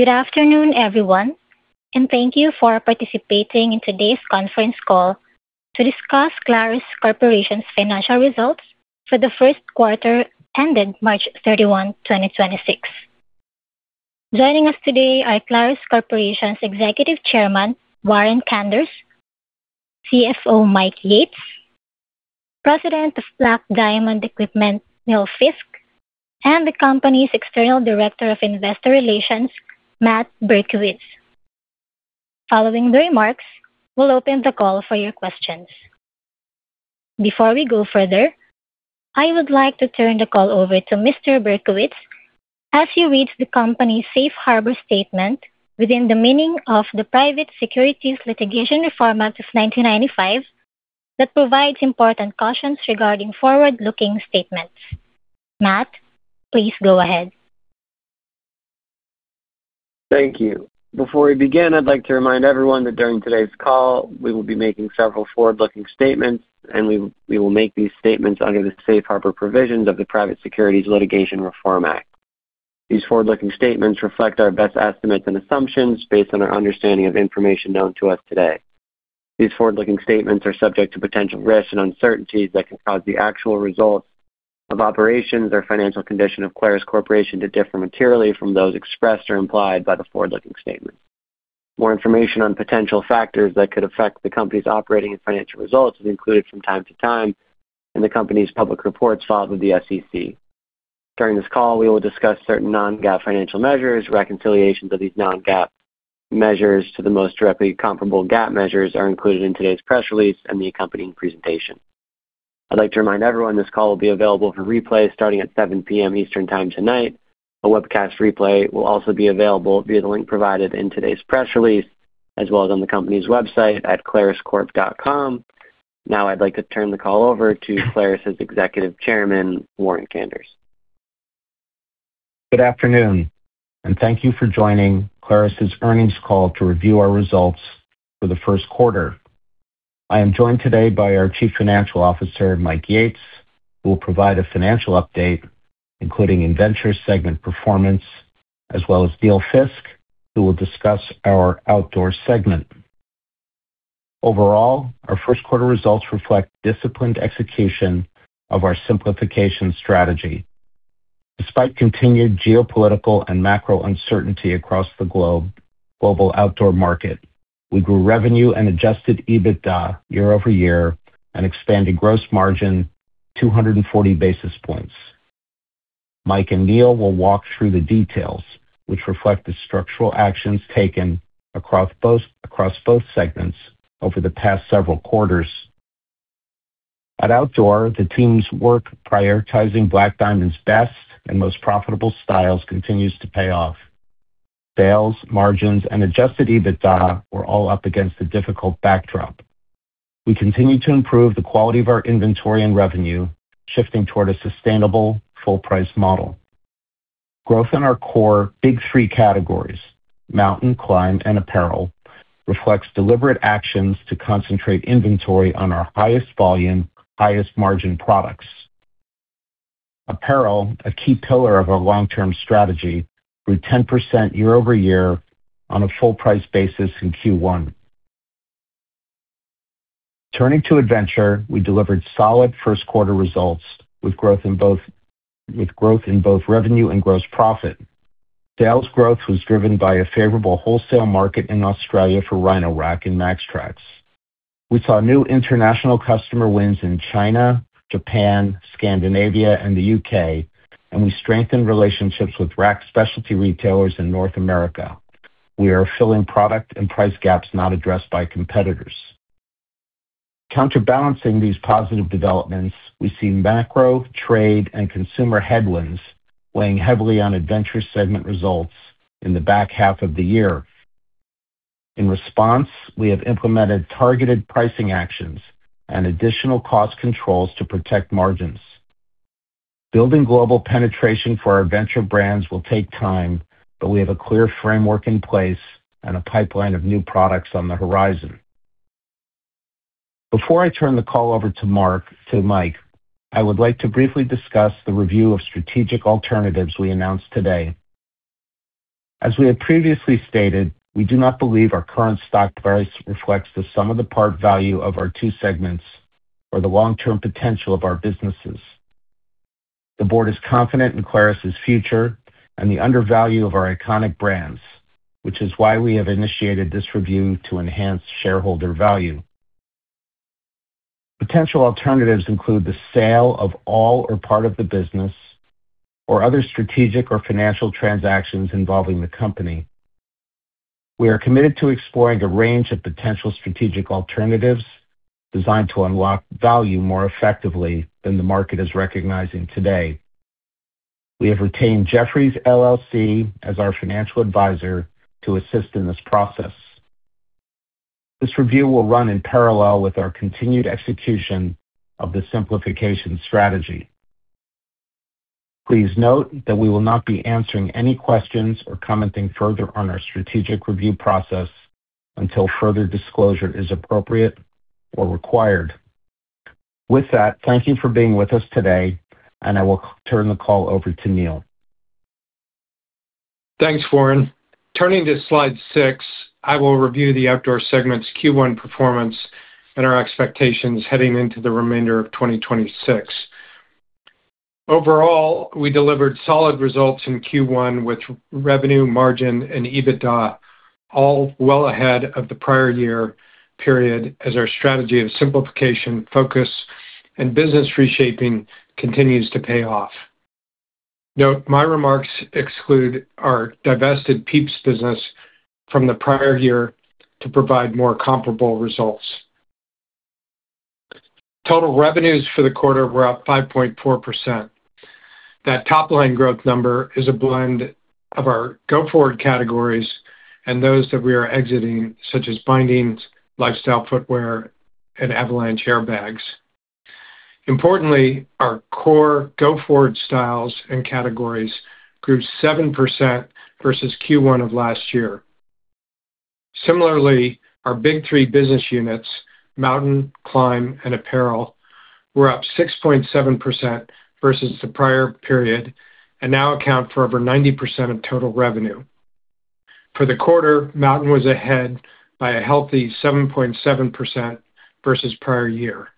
Good afternoon, everyone, and thank you for participating in today's conference call to discuss Clarus Corporation's financial results for the first quarter ended March 31, 2026. Joining us today are Clarus Corporation's Executive Chairman, Warren Kanders, CFO, Mike Yates, President of Black Diamond Equipment, Neil Fiske, and the company's External Director of Investor Relations, Matt Berkowitz. Following the remarks, we'll open the call for your questions. Before we go further, I would like to turn the call over to Mr. Berkowitz as he reads the company's Safe Harbor statement within the meaning of the Private Securities Litigation Reform Act of 1995 that provides important cautions regarding forward-looking statements. Matt, please go ahead. Thank you. Before we begin, I'd like to remind everyone that during today's call, we will be making several forward-looking statements, and we will make these statements under the Safe Harbor Provisions of the Private Securities Litigation Reform Act. These forward-looking statements reflect our best estimates and assumptions based on our understanding of information known to us today. These forward-looking statements are subject to potential risks and uncertainties that can cause the actual results of operations or financial condition of Clarus Corporation to differ materially from those expressed or implied by the forward-looking statement. More information on potential factors that could affect the company's operating and financial results is included from time to time in the company's public reports filed with the SEC. During this call, we will discuss certain non-GAAP financial measures. Reconciliations of these non-GAAP measures to the most directly comparable GAAP measures are included in today's press release and the accompanying presentation. I'd like to remind everyone this call will be available for replay starting at 7:00 P.M. Eastern Time tonight. A webcast replay will also be available via the link provided in today's press release, as well as on the company's website at claruscorp.com. I'd like to turn the call over to Clarus' Executive Chairman, Warren Kanders. Good afternoon. Thank you for joining Clarus' earnings call to review our results for the first quarter. I am joined today by our Chief Financial Officer Mike Yates, who will provide a financial update, including Adventure segment performance, as well as Neil Fiske, who will discuss our Outdoor segment. Overall, our first quarter results reflect disciplined execution of our simplification strategy. Despite continued geopolitical and macro uncertainty across the global outdoor market, we grew revenue and adjusted EBITDA year-over-year and expanded gross margin 240 basis points. Mike and Neil will walk through the details which reflect the structural actions taken across both segments over the past several quarters. At Outdoor, the team's work prioritizing Black Diamond's best and most profitable styles continues to pay off. Sales, margins, and adjusted EBITDA were all up against a difficult backdrop. We continue to improve the quality of our inventory and revenue, shifting toward a sustainable full price model. Growth in our core big three categories, mountain, climb, and apparel, reflects deliberate actions to concentrate inventory on our highest volume, highest margin products. Apparel, a key pillar of our long-term strategy, grew 10% year-over-year on a full price basis in Q1. Turning to Adventure, we delivered solid first quarter results with growth in both revenue and gross profit. Sales growth was driven by a favorable wholesale market in Australia for Rhino-Rack and MAXTRAX. We saw new international customer wins in China, Japan, Scandinavia, and the U.K., and we strengthened relationships with rack specialty retailers in North America. We are filling product and price gaps not addressed by competitors. Counterbalancing these positive developments, we see macro, trade, and consumer headwinds weighing heavily on Adventure segment results in the back half of the year. In response, we have implemented targeted pricing actions and additional cost controls to protect margins. Building global penetration for our Adventure brands will take time, but we have a clear framework in place and a pipeline of new products on the horizon. Before I turn the call over to Mike, I would like to briefly discuss the review of strategic alternatives we announced today. As we have previously stated, we do not believe our current stock price reflects the sum of the part value of our two segments or the long-term potential of our businesses. The Board is confident in Clarus' future and the undervalue of our iconic brands, which is why we have initiated this review to enhance shareholder value. Potential alternatives include the sale of all or part of the business or other strategic or financial transactions involving the company. We are committed to exploring a range of potential strategic alternatives designed to unlock value more effectively than the market is recognizing today. We have retained Jefferies LLC as our financial advisor to assist in this process. This review will run in parallel with our continued execution of the simplification strategy. Please note that we will not be answering any questions or commenting further on our strategic review process until further disclosure is appropriate or required. With that, thank you for being with us today, and I will turn the call over to Neil. Thanks, Warren. Turning to Slide six, I will review the Outdoor segment's Q1 performance and our expectations heading into the remainder of 2026. Overall, we delivered solid results in Q1 with revenue, margin, and EBITDA all well ahead of the prior year period as our strategy of simplification, focus, and business reshaping continues to pay off. Note my remarks exclude our divested PIEPS business from the prior year to provide more comparable results. Total revenues for the quarter were up 5.4%. That top-line growth number is a blend of our go-forward categories and those that we are exiting, such as bindings, lifestyle footwear, and avalanche airbags. Importantly, our core go-forward styles and categories grew 7% versus Q1 of last year. Similarly, our big three business units, Mountain, Climb, and Apparel, were up 6.7% versus the prior period and now account for over 90% of total revenue. For the quarter, Mountain was ahead by a healthy 7.7% versus prior year.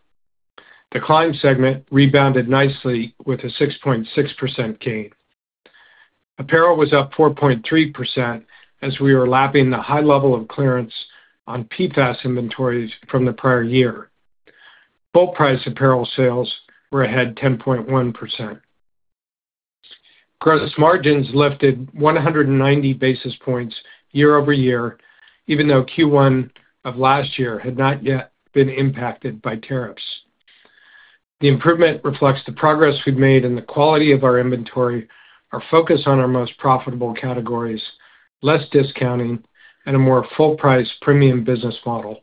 The Climb segment rebounded nicely with a 6.6% gain. Apparel was up 4.3% as we were lapping the high level of clearance on PFAS inventories from the prior year. Full price apparel sales were ahead 10.1%. Gross margins lifted 190 basis points year-over-year, even though Q1 of last year had not yet been impacted by tariffs. The improvement reflects the progress we've made in the quality of our inventory, our focus on our most profitable categories, less discounting, and a more full price premium business model.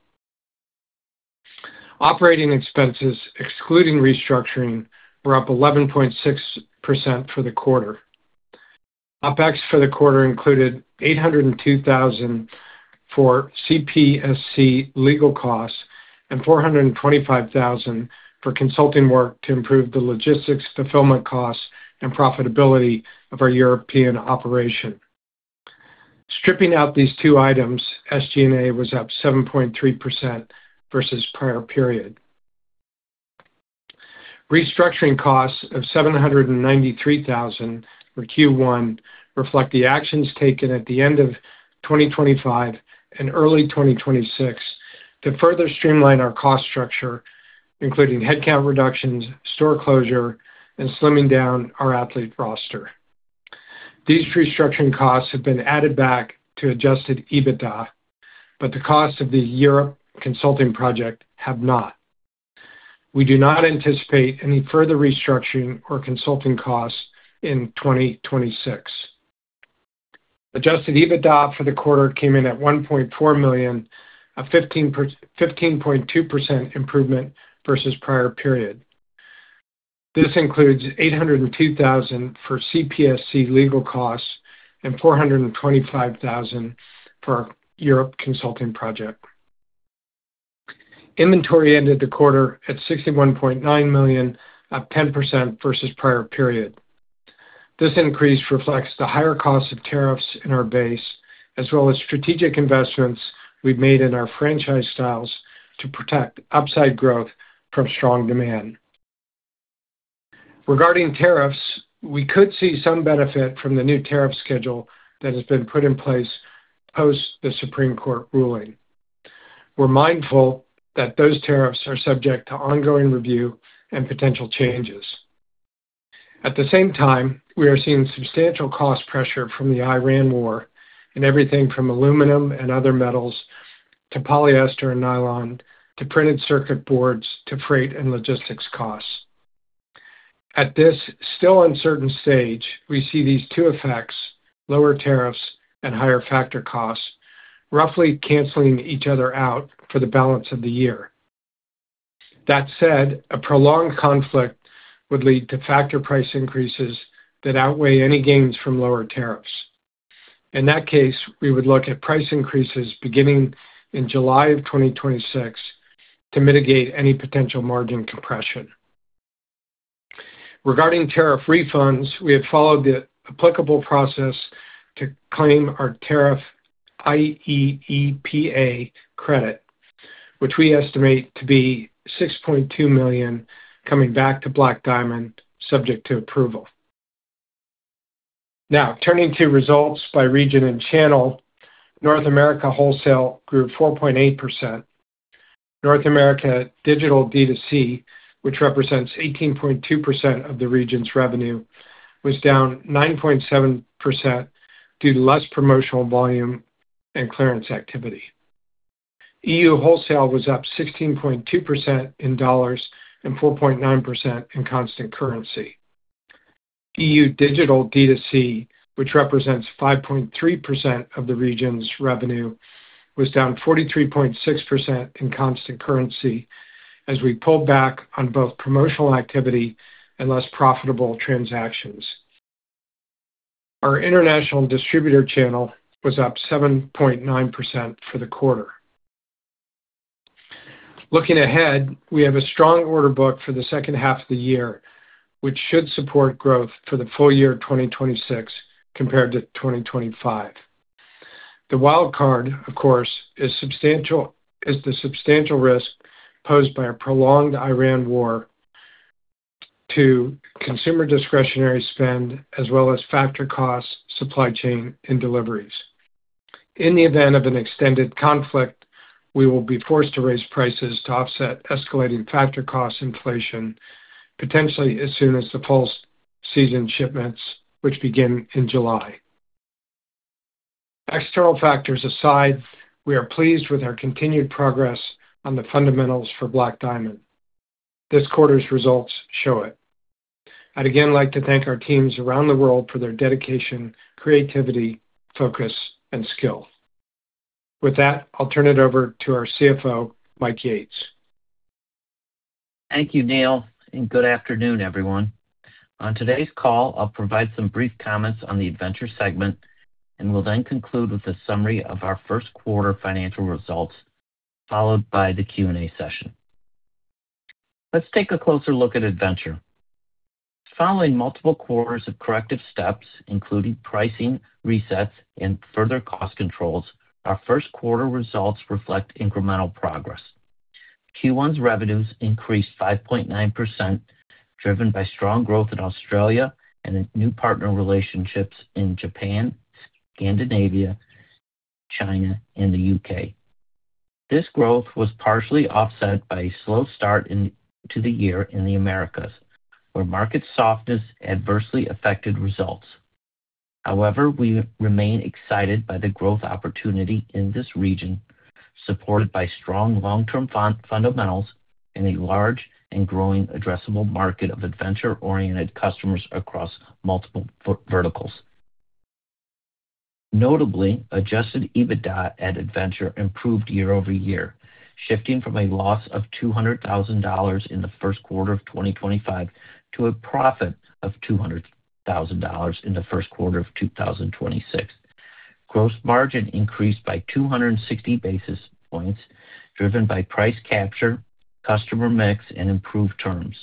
Operating expenses, excluding restructuring, were up 11.6% for the quarter. OpEx for the quarter included $802,000 for CPSC legal costs and $425,000 for consulting work to improve the logistics, fulfillment costs, and profitability of our European operation. Stripping out these two items, SG&A was up 7.3% versus prior period. Restructuring costs of $793,000 for Q1 reflect the actions taken at the end of 2025 and early 2026 to further streamline our cost structure, including headcount reductions, store closure, and slimming down our athlete roster. These restructuring costs have been added back to adjusted EBITDA, but the cost of the Europe consulting project have not. We do not anticipate any further restructuring or consulting costs in 2026. Adjusted EBITDA for the quarter came in at $1.4 million, a 15.2% improvement versus prior period. This includes $802,000 for CPSC legal costs and $425,000 for our Europe consulting project. Inventory ended the quarter at $61.9 million, up 10% versus prior period. This increase reflects the higher cost of tariffs in our base, as well as strategic investments we've made in our franchise styles to protect upside growth from strong demand. Regarding tariffs, we could see some benefit from the new tariff schedule that has been put in place post the Supreme Court ruling. We're mindful that those tariffs are subject to ongoing review and potential changes. At the same time, we are seeing substantial cost pressure from the Iran war in everything from aluminum and other metals to polyester and nylon to printed circuit boards to freight and logistics costs. At this still uncertain stage, we see these two effects, lower tariffs and higher factor costs, roughly canceling each other out for the balance of the year. That said, a prolonged conflict would lead to factor price increases that outweigh any gains from lower tariffs. In that case, we would look at price increases beginning in July of 2026 to mitigate any potential margin compression. Regarding tariff refunds, we have followed the applicable process to claim our tariff IEEPA credit, which we estimate to be $6.2 million coming back to Black Diamond, subject to approval. Turning to results by region and channel. North America wholesale grew 4.8%. North America digital D2C, which represents 18.2% of the region's revenue, was down 9.7% due to less promotional volume and clearance activity. EU wholesale was up 16.2% in dollars and 4.9% in constant currency. EU digital D2C, which represents 5.3% of the region's revenue, was down 43.6% in constant currency as we pulled back on both promotional activity and less profitable transactions. Our international distributor channel was up 7.9% for the quarter. Looking ahead, we have a strong order book for the second half of the year, which should support growth for the full-year 2026 compared to 2025. The wild card, of course, is the substantial risk posed by a prolonged Iran war to consumer discretionary spend, as well as factor costs, supply chain, and deliveries. In the event of an extended conflict, we will be forced to raise prices to offset escalating factor cost inflation, potentially as soon as the fall season shipments, which begin in July. External factors aside, we are pleased with our continued progress on the fundamentals for Black Diamond. This quarter's results show it. I'd again like to thank our teams around the world for their dedication, creativity, focus, and skill. With that, I'll turn it over to our CFO, Mike Yates. Thank you, Neil, and good afternoon, everyone. On today's call, I'll provide some brief comments on the Adventure segment and will then conclude with a summary of our first quarter financial results, followed by the Q&A session. Let's take a closer look at Adventure. Following multiple quarters of corrective steps, including pricing resets and further cost controls, our first quarter results reflect incremental progress. Q1's revenues increased 5.9%, driven by strong growth in Australia and new partner relationships in Japan, Scandinavia, China, and the U.K. This growth was partially offset by a slow start to the year in the Americas, where market softness adversely affected results. We remain excited by the growth opportunity in this region, supported by strong long-term fundamentals in a large and growing addressable market of adventure-oriented customers across multiple verticals. Notably, adjusted EBITDA at Adventure improved year-over-year, shifting from a loss of $200,000 in the first quarter of 2025 to a profit of $200,000 in the first quarter of 2026. Gross margin increased by 260 basis points, driven by price capture, customer mix, and improved terms.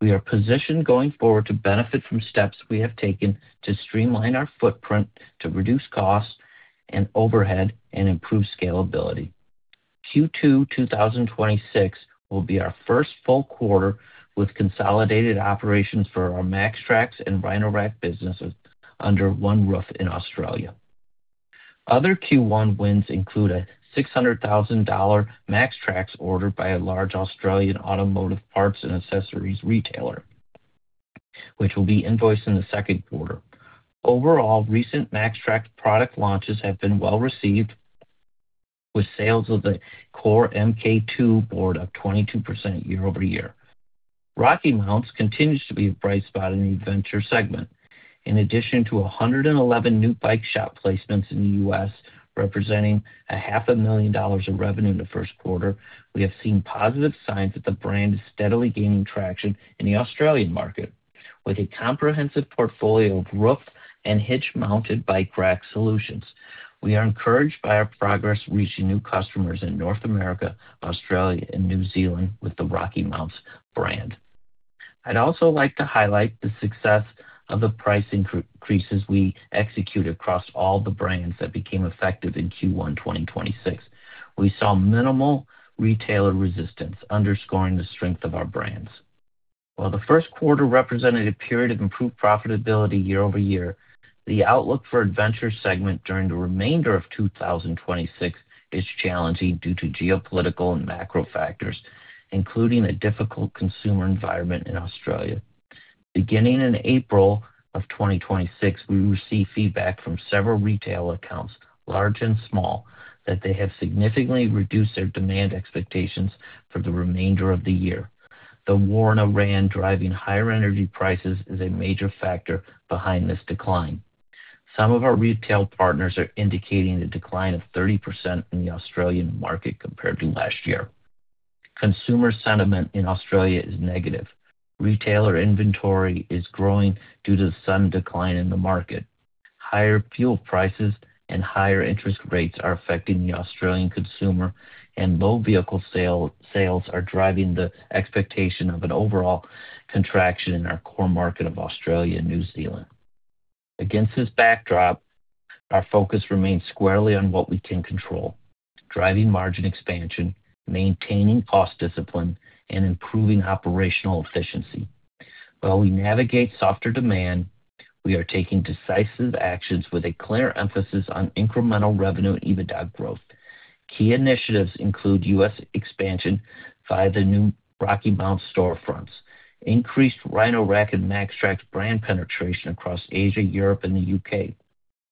We are positioned going forward to benefit from steps we have taken to streamline our footprint to reduce costs and overhead and improve scalability. Q2 2026 will be our first full quarter with consolidated operations for our MAXTRAX and Rhino-Rack businesses under one roof in Australia. Other Q1 wins include a $600,000 MAXTRAX ordered by a large Australian automotive parts and accessories retailer, which will be invoiced in the second quarter. Overall, recent MAXTRAX product launches have been well-received. With sales of the core MKII Board up 22% year-over-year. RockyMounts continues to be a bright spot in the Adventure segment. In addition to 111 new bike shop placements in the U.S. representing a half a million dollars in revenue in the first quarter, we have seen positive signs that the brand is steadily gaining traction in the Australian market. With a comprehensive portfolio of roof and hitch-mounted bike rack solutions, we are encouraged by our progress reaching new customers in North America, Australia, and New Zealand with the RockyMounts brand. I'd also like to highlight the success of the price increases we execute across all the brands that became effective in Q1 2026. We saw minimal retailer resistance underscoring the strength of our brands. While the first quarter represented a period of improved profitability year-over-year, the outlook for Adventure segment during the remainder of 2026 is challenging due to geopolitical and macro factors, including a difficult consumer environment in Australia. Beginning in April of 2026, we received feedback from several retail accounts, large and small, that they have significantly reduced their demand expectations for the remainder of the year. The war in Iran driving higher energy prices is a major factor behind this decline. Some of our retail partners are indicating a decline of 30% in the Australian market compared to last year. Consumer sentiment in Australia is negative. Retailer inventory is growing due to some decline in the market. Higher fuel prices and higher interest rates are affecting the Australian consumer, low vehicle sales are driving the expectation of an overall contraction in our core market of Australia and New Zealand. Against this backdrop, our focus remains squarely on what we can control, driving margin expansion, maintaining cost discipline, and improving operational efficiency. While we navigate softer demand, we are taking decisive actions with a clear emphasis on incremental revenue and EBITDA growth. Key initiatives include U.S. expansion via the new RockyMounts storefronts, increased Rhino-Rack and MAXTRAX brand penetration across Asia, Europe, and the U.K.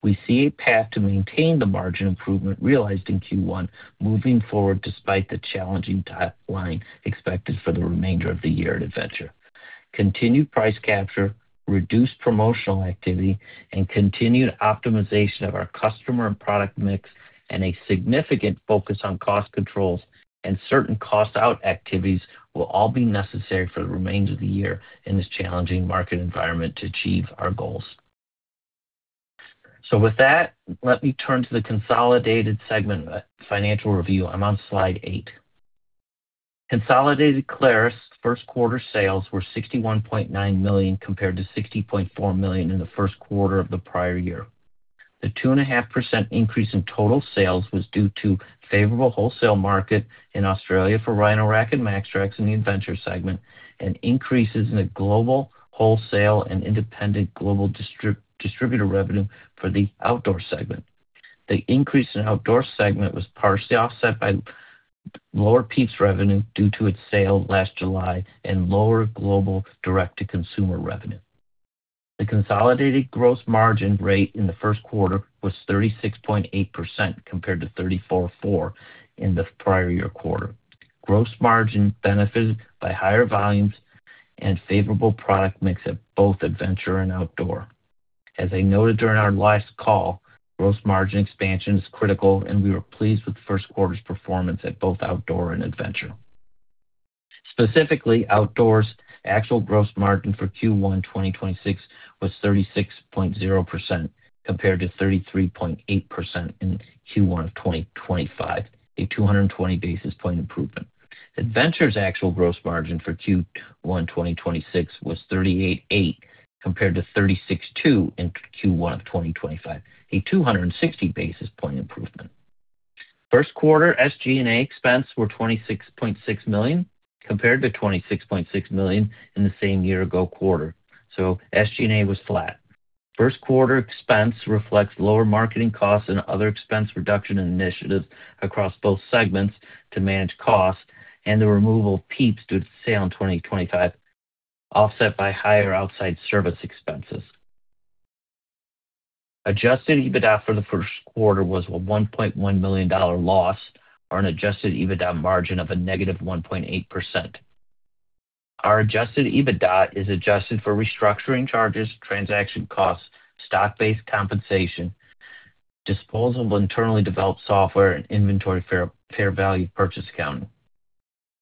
We see a path to maintain the margin improvement realized in Q1 moving forward despite the challenging top line expected for the remainder of the year at Adventure. Continued price capture, reduced promotional activity, and continued optimization of our customer and product mix, and a significant focus on cost controls and certain cost-out activities will all be necessary for the remainder of the year in this challenging market environment to achieve our goals. Let me turn to the consolidated segment financial review. I'm on Slide eight. Consolidated Clarus first quarter sales were $61.9 million compared to $60.4 million in the first quarter of the prior year. The 2.5% increase in total sales was due to favorable wholesale market in Australia for Rhino-Rack and MAXTRAX in the Adventure segment and increases in the global wholesale and independent global distributor revenue for the Outdoor segment. The increase in Outdoor segment was partially offset by lower PIEPS revenue due to its sale last July and lower global D2C revenue. The consolidated gross margin rate in the first quarter was 36.8% compared to 34.4% in the prior year quarter. Gross margin benefited by higher volumes and favorable product mix at both Adventure and Outdoor. As I noted during our last call, gross margin expansion is critical, and we were pleased with the first quarter's performance at both Outdoor and Adventure. Specifically, Outdoor's actual gross margin for Q1 2026 was 36.0% compared to 33.8% in Q1 2025, a 220 basis point improvement. Adventure's actual gross margin for Q1 2026 was 38.8% compared to 36.2% in Q1 2025, a 260 basis point improvement. First quarter SG&A expense were $26.6 million compared to $26.6 million in the same year ago quarter, so SG&A was flat. First quarter expense reflects lower marketing costs and other expense reduction initiatives across both segments to manage costs and the removal of PIEPS due to the sale in 2025, offset by higher outside service expenses. Adjusted EBITDA for the first quarter was a $1.1 million loss on adjusted EBITDA margin of a -1.8%. Our adjusted EBITDA is adjusted for restructuring charges, transaction costs, stock-based compensation, disposal of internally developed software and inventory fair value purchase accounting.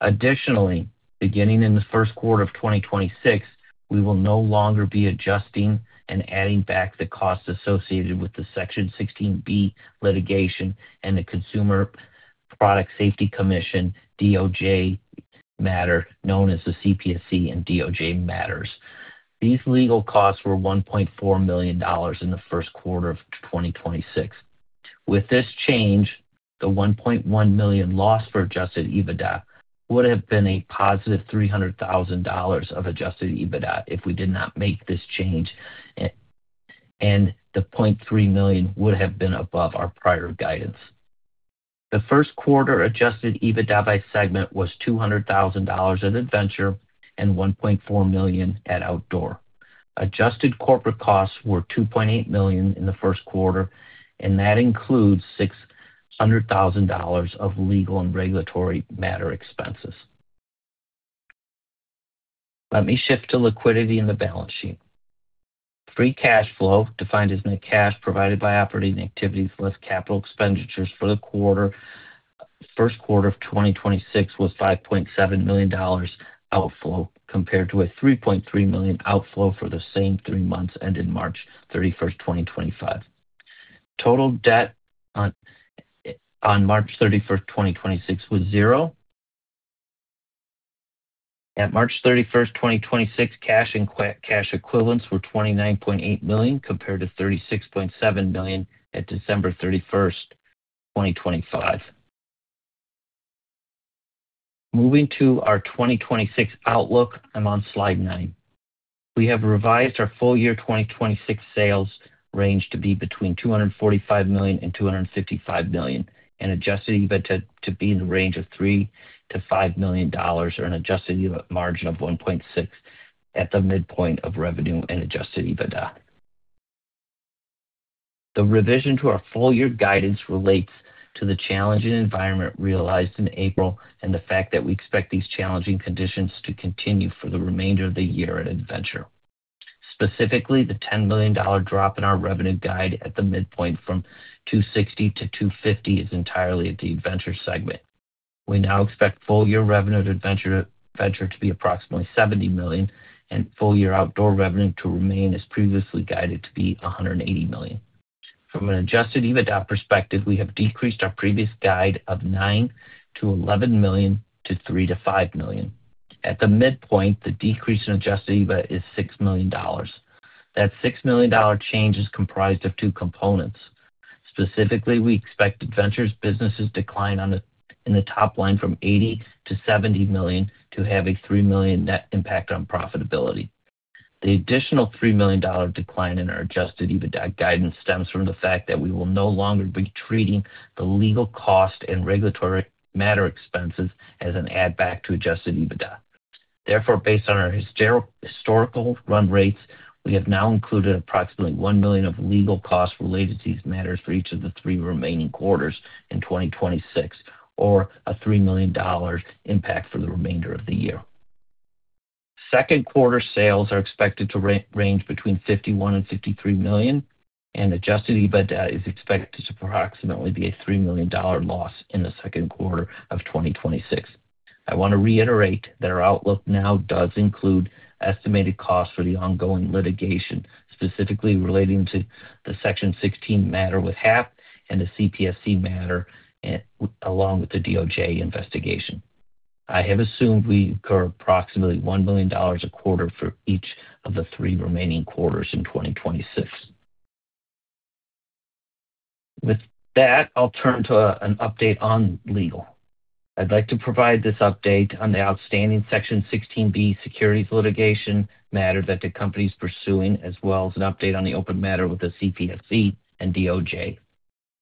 Additionally, beginning in the first quarter of 2026, we will no longer be adjusting and adding back the costs associated with the Section 16(b) litigation and the Consumer Product Safety Commission DOJ matter known as the CPSC and DOJ matters. These legal costs were $1.4 million in the first quarter of 2026. With this change, the $1.1 million loss for adjusted EBITDA would have been a positive $300,000 of adjusted EBITDA if we did not make this change, and the $0.3 million would have been above our prior guidance. The first quarter adjusted EBITDA by segment was $200,000 at Adventure and $1.4 million at Outdoor. Adjusted corporate costs were $2.8 million in the first quarter. That includes $600,000 of legal and regulatory matter expenses. Let me shift to liquidity in the balance sheet. Free cash flow, defined as net cash provided by operating activities less capital expenditures for the quarter, first quarter of 2026 was $5.7 million outflow compared to a $3.3 million outflow for the same three months ended March 31st, 2025. Total debt on March 31st, 2026 was $0. At March 31st, 2026, cash and cash equivalents were $29.8 million compared to $36.7 million at December 31st, 2025. Moving to our 2026 outlook, I'm on Slide nine. We have revised our full-year 2026 sales range to be between $245 million and $255 million and adjusted EBITDA to be in the range of $3 million-$5 million or an adjusted EBIT margin of 1.6% at the midpoint of revenue and adjusted EBITDA. The revision to our full-year guidance relates to the challenging environment realized in April and the fact that we expect these challenging conditions to continue for the remainder of the year at Adventure. Specifically, the $10 million drop in our revenue guide at the midpoint from $260 million-$250 million is entirely at the Adventure segment. We now expect full-year revenue at Adventure to be approximately $70 million and full-year Outdoor revenue to remain as previously guided to be $180 million. From an adjusted EBITDA perspective, we have decreased our previous guide of $9 million-$11 million to $3 million-$5 million. At the midpoint, the decrease in adjusted EBITDA is $6 million. That $6 million change is comprised of two components. Specifically, we expect Adventure's businesses decline in the top line from $80 million-$70 million to have a $3 million net impact on profitability. The additional $3 million decline in our adjusted EBITDA guidance stems from the fact that we will no longer be treating the legal cost and regulatory matter expenses as an add back to adjusted EBITDA. Based on our historical run rates, we have now included approximately $1 million of legal costs related to these matters for each of the three remaining quarters in 2026 or a $3 million impact for the remainder of the year. Second quarter sales are expected to range between $51 million and $53 million, and adjusted EBITDA is expected to approximately be a $3 million loss in the second quarter of 2026. I want to reiterate that our outlook now does include estimated costs for the ongoing litigation, specifically relating to the Section 16 matter with HAP and the CPSC matter along with the DOJ investigation. I have assumed we incur approximately $1 million a quarter for each of the three remaining quarters in 2026. With that, I'll turn to an update on legal. I'd like to provide this update on the outstanding Section 16(b) securities litigation matter that the company's pursuing as well as an update on the open matter with the CPSC and DOJ.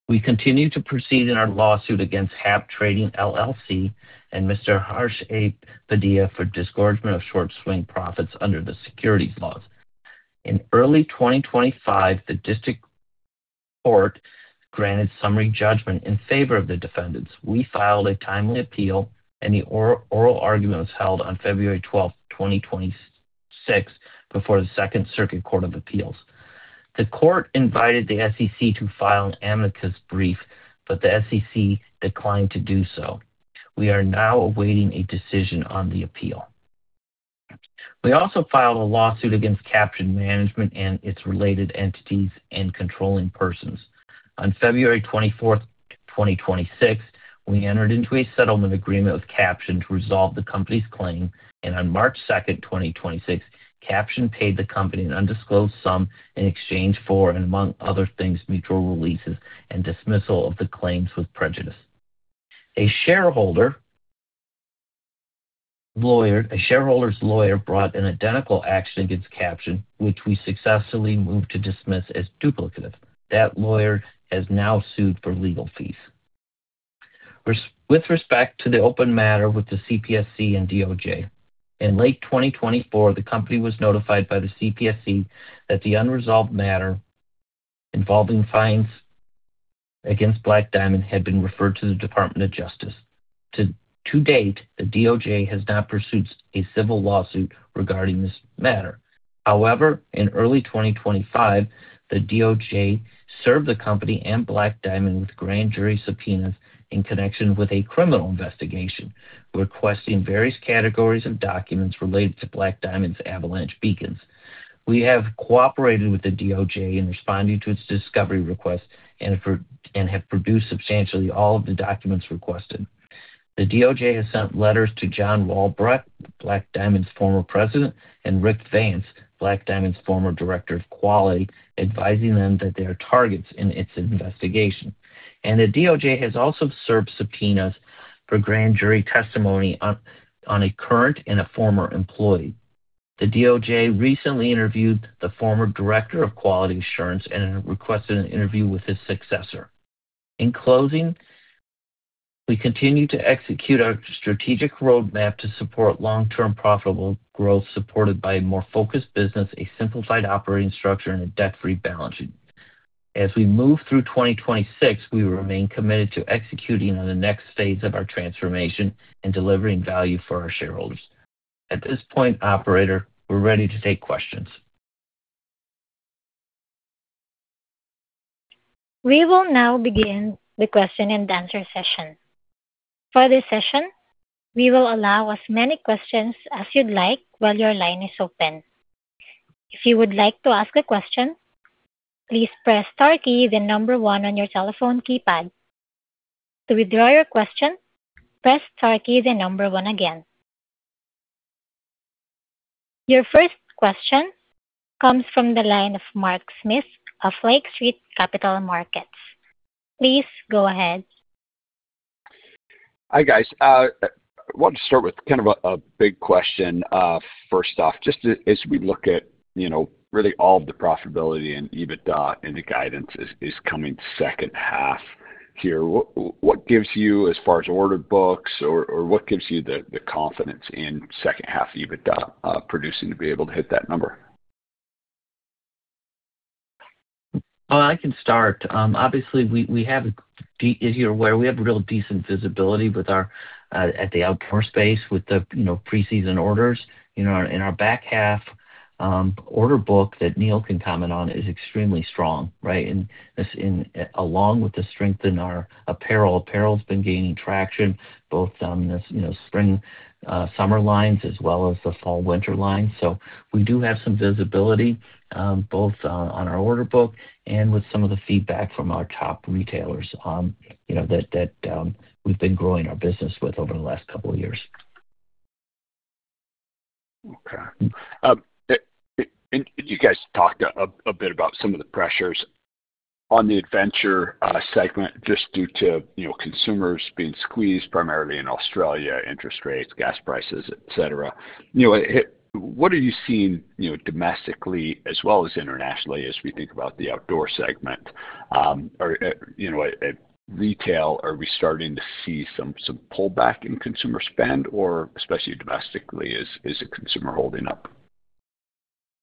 We continue to proceed in our lawsuit against HAP Trading LLC and Mr. Harsh A. Padia for disgorgement of short swing profits under the securities laws. In early 2025, the District Court granted summary judgment in favor of the defendants. We filed a timely appeal, and the oral argument was held on February 12th, 2026 before the Second Circuit Court of Appeals. The court invited the SEC to file an amicus brief, but the SEC declined to do so. We are now awaiting a decision on the appeal. We also filed a lawsuit against Caption Management and its related entities and controlling persons. On February 24th, 2026, we entered into a settlement agreement with Caption to resolve the company's claim. On March 2nd, 2026, Caption paid the company an undisclosed sum in exchange for, and among other things, mutual releases and dismissal of the claims with prejudice. A shareholder's lawyer brought an identical action against Caption, which we successfully moved to dismiss as duplicative. That lawyer has now sued for legal fees. With respect to the open matter with the CPSC and DOJ, in late 2024, the company was notified by the CPSC that the unresolved matter involving fines against Black Diamond had been referred to the Department of Justice. To date, the DOJ has not pursued a civil lawsuit regarding this matter. However, in early 2025, the DOJ served the company and Black Diamond with grand jury subpoenas in connection with a criminal investigation, requesting various categories of documents related to Black Diamond's avalanche beacons. We have cooperated with the DOJ in responding to its discovery request and have produced substantially all of the documents requested. The DOJ has sent letters to John Walbrecht, Black Diamond's former President, and Rick Vance, Black Diamond's former Director of Quality, advising them that they are targets in its investigation. The DOJ has also served subpoenas for grand jury testimony on a current and a former employee. The DOJ recently interviewed the former Director of Quality Assurance and requested an interview with his successor. In closing, we continue to execute our strategic roadmap to support long-term profitable growth supported by a more focused business, a simplified operating structure, and a debt-free balance sheet. As we move through 2026, we remain committed to executing on the next phase of our transformation and delivering value for our shareholders. At this point, operator, we're ready to take questions. We will now begin the question-and-answer session. For this session, we will allow as many questions as you'd like while your line is open. If you would like to ask a question, please press star key then number one on your telephone keypad. To withdraw your question, press star key then number one again. Your first question comes from the line of Mark Smith of Lake Street Capital Markets. Please go ahead. Hi, guys. I want to start with kind of a big question first off. Just as we look at, you know, really all of the profitability and EBITDA and the guidance is coming second half here, what gives you as far as order books or what gives you the confidence in second half EBITDA producing to be able to hit that number? I can start. Obviously, we have as you're aware, we have real decent visibility with our, at the Outdoor space with the, you know, preseason orders. In our, in our back half, order book that Neil can comment on is extremely strong, right? This along with the strength in our apparel. Apparel's been gaining traction both on this, you know, spring, summer lines as well as the fall winter lines. We do have some visibility, both on our order book and with some of the feedback from our top retailers, you know, that, we've been growing our business with over the last couple of years. Okay. You guys talked a bit about some of the pressures on the Adventure segment just due to, you know, consumers being squeezed primarily in Australia, interest rates, gas prices, et cetera. You know, what are you seeing, you know, domestically as well as internationally as we think about the Outdoor segment? Are, you know, retail, are we starting to see some pullback in consumer spend or especially domestically, is the consumer holding up?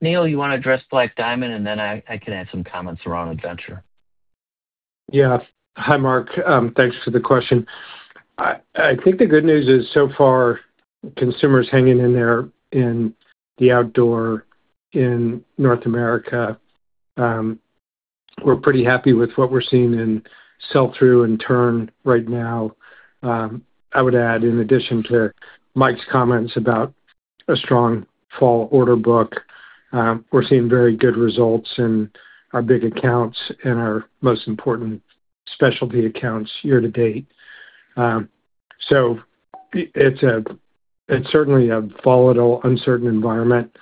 Neil, you wanna address Black Diamond, and then I can add some comments around Adventure. Hi, Mark. Thanks for the question. I think the good news is so far consumer's hanging in there in the Outdoor in North America. We're pretty happy with what we're seeing in sell-through and turn right now. I would add in addition to Mike's comments about a strong fall order book, we're seeing very good results in our big accounts and our most important specialty accounts year-to-date. It's certainly a volatile, uncertain environment.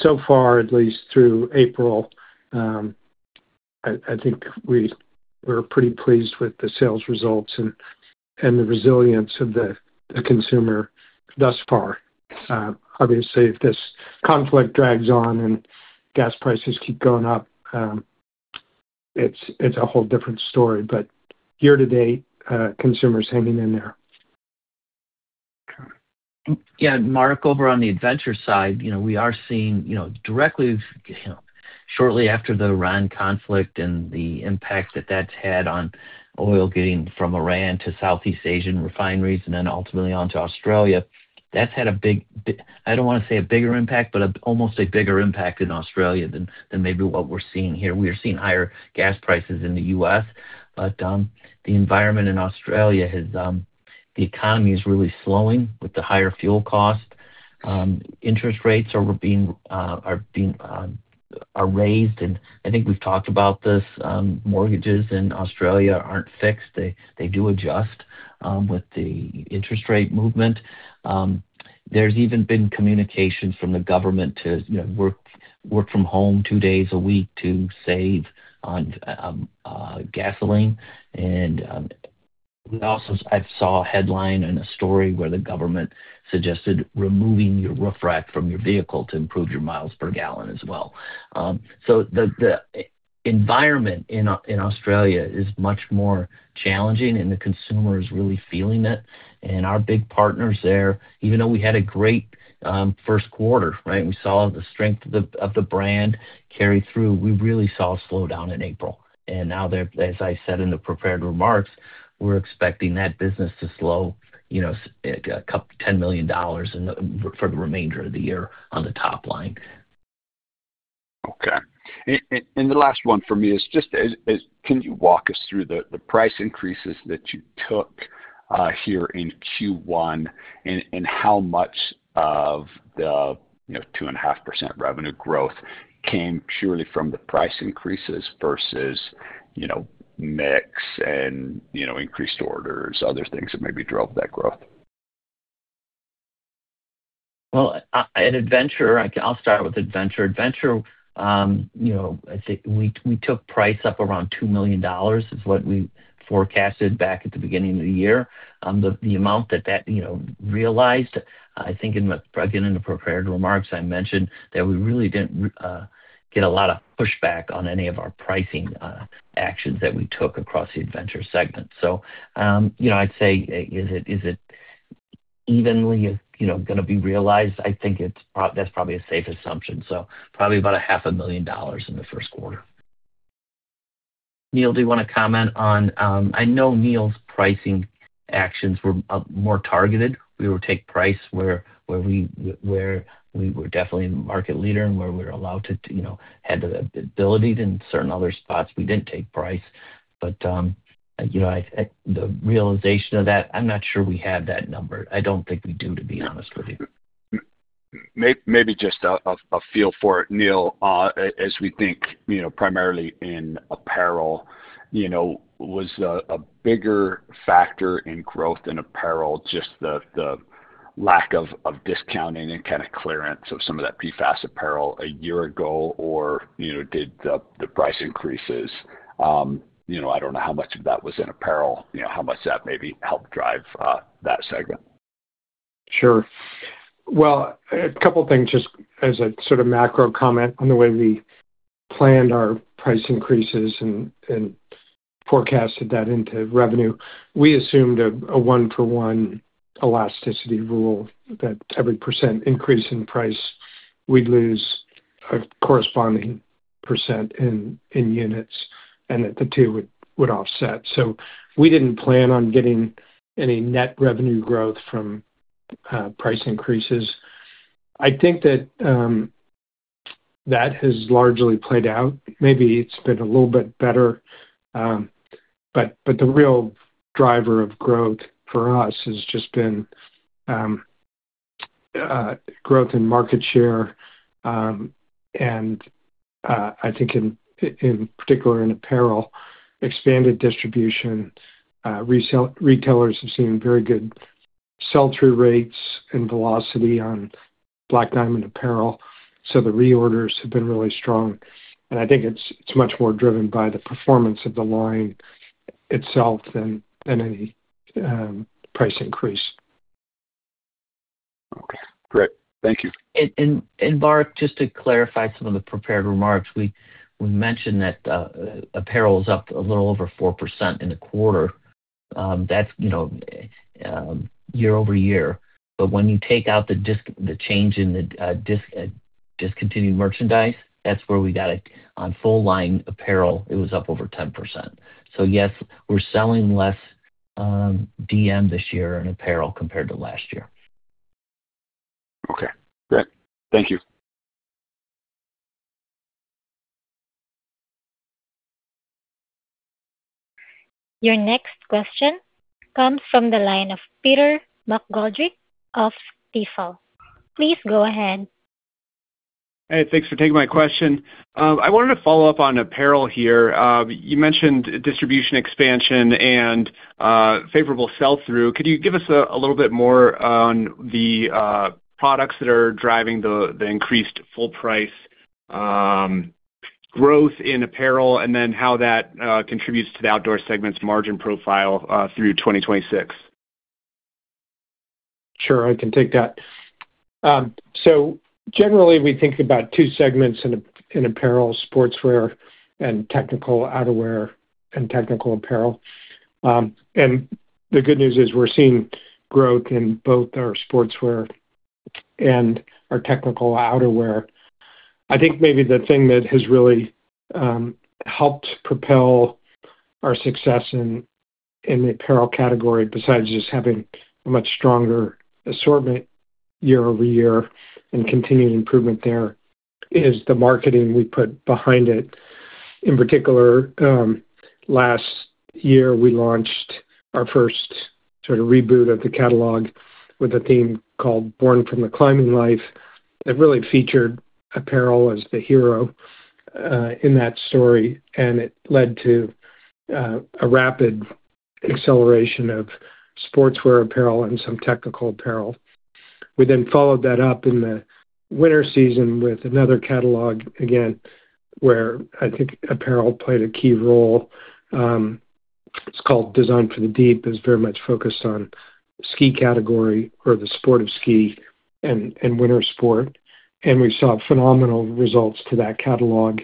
So far, at least through April, I think we're pretty pleased with the sales results and the resilience of the consumer thus far. Obviously, if this conflict drags on and gas prices keep going up, it's a whole different story. Year to date, consumer's hanging in there. Yeah. Mark, over on the Adventure side, you know, we are seeing, you know, directly, you know, shortly after the Iran conflict and the impact that that's had on oil getting from Iran to Southeast Asian refineries and then ultimately onto Australia, that's had a big I don't wanna say a bigger impact, but a almost a bigger impact in Australia than maybe what we're seeing here. We are seeing higher gas prices in the U.S. The environment in Australia has the economy is really slowing with the higher fuel cost. Interest rates are being raised, and I think we've talked about this, mortgages in Australia aren't fixed. They do adjust with the interest rate movement. There's even been communications from the government to, you know, work from home two days a week to save on gasoline. I saw a headline and a story where the government suggested removing your roof rack from your vehicle to improve your miles per gallon as well. The environment in Australia is much more challenging, and the consumer is really feeling it. Our big partners there, even though we had a great first quarter, right? We saw the strength of the brand carry through. We really saw a slowdown in April. Now, as I said in the prepared remarks, we're expecting that business to slow, you know, $10 million for the remainder of the year on the top line. Okay. The last one for me is just as can you walk us through the price increases that you took here in Q1 and how much of the, you know, 2.5% revenue growth came purely from the price increases versus, you know, mix and, you know, increased orders, other things that maybe drove that growth? At Adventure, I'll start with Adventure. Adventure, you know, I'd say we took price up around $2 million is what we forecasted back at the beginning of the year. The, the amount that that, you know, realized, I think in my back in the prepared remarks, I mentioned that we really didn't get a lot of pushback on any of our pricing actions that we took across the Adventure segment. You know, I'd say, is it evenly is, you know, gonna be realized. I think it's probably a safe assumption. Probably about a $500 million in the first quarter. Neil, do you wanna comment on, I know Neil's pricing actions were more targeted. We would take price where we were definitely the market leader and where we were allowed to, you know, had the ability. In certain other spots we didn't take price. You know, the realization of that, I'm not sure we have that number. I don't think we do, to be honest with you. Maybe just a feel for it, Neil. As we think, you know, primarily in apparel, you know, was a bigger factor in growth in apparel just the lack of discounting and kinda clearance of some of that PFAS apparel a year ago or, you know, did the price increases? You know, I don't know how much of that was in apparel, you know, how much that maybe helped drive that segment? Sure. A couple things just as a sort of macro comment on the way we planned our price increases and forecasted that into revenue. We assumed a one for one elasticity rule that every percent increase in price, we'd lose a corresponding percent in units, and that the two would offset. We didn't plan on getting any net revenue growth from price increases. I think that has largely played out. Maybe it's been a little bit better. The real driver of growth for us has just been growth in market share. I think in particular in apparel, expanded distribution. Retailers have seen very good sell-through rates and velocity on Black Diamond apparel, the reorders have been really strong. I think it's much more driven by the performance of the line itself than any price increase. Okay. Great. Thank you. Mark, just to clarify some of the prepared remarks. We mentioned that apparel is up a little over 4% in the quarter. That's, you know, year-over-year. When you take out the change in the discontinued merchandise, that's where we got it. On full line apparel, it was up over 10%. Yes, we're selling less DM this year in apparel compared to last year. Okay. Great. Thank you. Your next question comes from the line of Peter McGoldrick of Stifel. Please go ahead. Hey, thanks for taking my question. I wanted to follow up on Apparel here. You mentioned distribution expansion and favorable sell-through. Could you give us a little bit more on the products that are driving the increased full price growth in Apparel, and then how that contributes to the Outdoor segment's margin profile through 2026? Sure, I can take that. Generally we think about two segments in apparel, sportswear and technical outerwear and technical apparel. The good news is we're seeing growth in both our sportswear and our technical outerwear. I think maybe the thing that has really helped propel our success in the Apparel category, besides just having a much stronger assortment year-over-year and continued improvement there, is the marketing we put behind it. In particular, last year, we launched our first sort of reboot of the catalog with a theme called Born from the Climbing Life, that really featured apparel as the hero in that story, and it led to a rapid acceleration of sportswear apparel and some technical apparel. We then followed that up in the winter season with another catalog, again, where I think Apparel played a key role. It's called Designed for the Deep. It was very much focused on ski category or the sport of ski and winter sport. We saw phenomenal results to that catalog,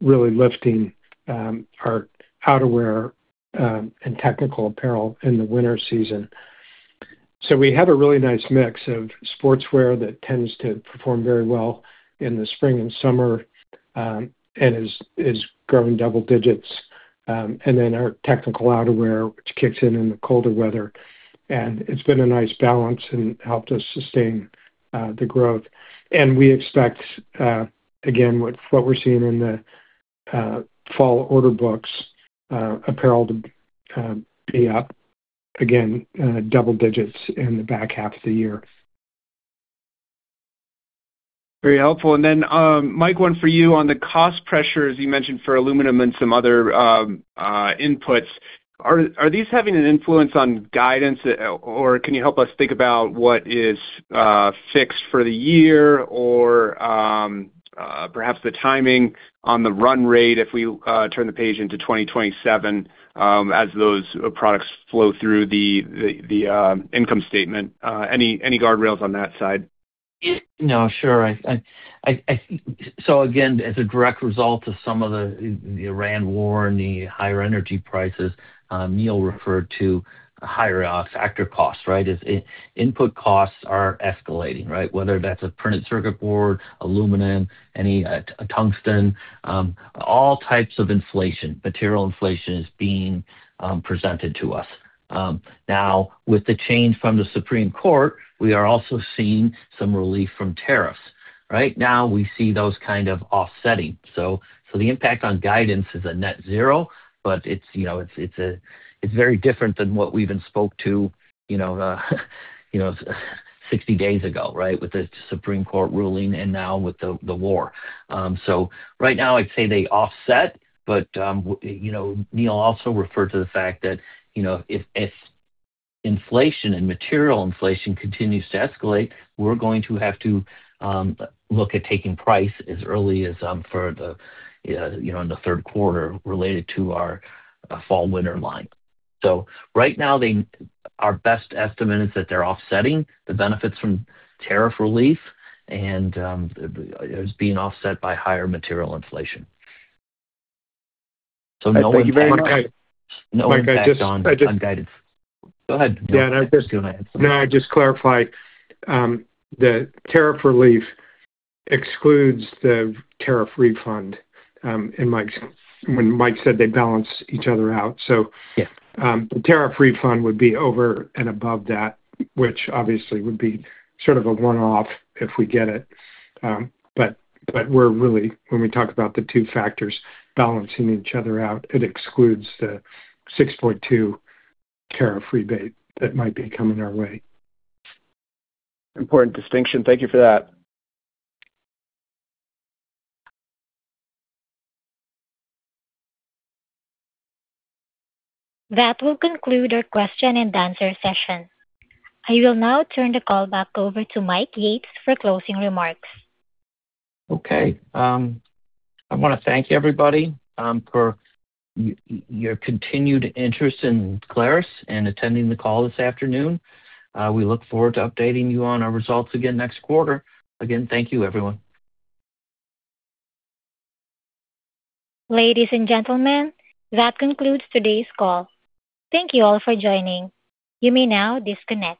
really lifting our outerwear and technical apparel in the winter season. So we have a really nice mix of sportswear that tends to perform very well in the spring and summer and is growing double digits. Then our technical outerwear, which kicks in in the colder weather. It's been a nice balance and helped us sustain the growth. We expect again, what we're seeing in the fall order books, apparel to be up again in double-digits in the back half of the year. Very helpful. Then, Mike, one for you on the cost pressures you mentioned for aluminum and some other inputs. Are these having an influence on guidance? Can you help us think about what is fixed for the year or perhaps the timing on the run rate if we turn the page into 2027 as those products flow through the income statement? Any guardrails on that side? No, sure. I again, as a direct result of some of the Iran war and the higher energy prices, Neil referred to higher factor costs, right? Input costs are escalating, right? Whether that's a printed circuit board, aluminum, any, a tungsten, all types of inflation, material inflation is being presented to us. Now with the change from the Supreme Court, we are also seeing some relief from tariffs. Right now we see those kind of offsetting. The impact on guidance is a net zero, but it's, you know, it's very different than what we even spoke to, you know, 60 days ago, right? With the Supreme Court ruling and now with the war. Right now I'd say they offset, but, you know, Neil also referred to the fact that, you know, if inflation and material inflation continues to escalate, we're going to have to look at taking price as early as for the, you know, in the third quarter related to our fall winter line. Right now they our best estimate is that they're offsetting the benefits from tariff relief and is being offset by higher material inflation. Thank you very much. No impact on guidance. Go ahead. Yeah. No, I just clarify, the tariff relief excludes the tariff refund, and Mike said they balance each other out. Yeah. The tariff refund would be over and above that, which obviously would be sort of a one-off if we get it. We're really when we talk about the two factors balancing each other out, it excludes the $6.2 million tariff rebate that might be coming our way. Important distinction. Thank you for that. That will conclude our question-and-answer session. I will now turn the call back over to Mike Yates for closing remarks. Okay. I wanna thank everybody for your continued interest in Clarus and attending the call this afternoon. We look forward to updating you on our results again next quarter. Again, thank you everyone. Ladies and gentlemen, that concludes today's call. Thank you all for joining. You may now disconnect.